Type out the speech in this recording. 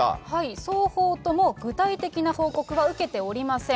双方とも、具体的な報告は受けておりません。